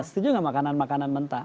setuju nggak makanan makanan mentah